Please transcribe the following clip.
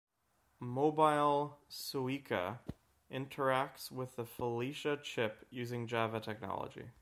Mobile Suica interacts with the FeliCa chip using Java technology.